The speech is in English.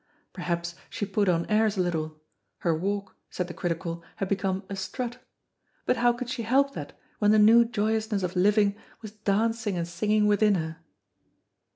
Perhaps she put on airs a little, her walk, said the critical, had become a strut; but how could she help that when the new joyousness of living was dancing and singing within her?